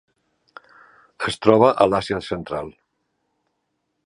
Es troba a l'Àsia Central.